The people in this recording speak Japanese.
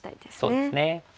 そうですね。